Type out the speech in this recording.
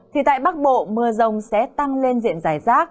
thì tại bắc bộ mưa rông sẽ tăng lên diện giải rác